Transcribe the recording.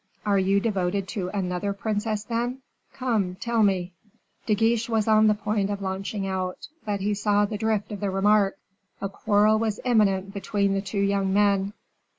Are you devoted to another princess, then? Come, tell me." De Guiche was on the point of launching out, but he saw the drift of the remark. A quarrel was imminent between the two young men.